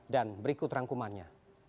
dan berikut rangkumannya